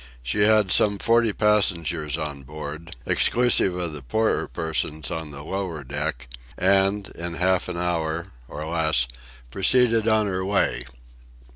She had some forty passengers on board, exclusive of the poorer persons on the lower deck; and in half an hour, or less, proceeded on her way.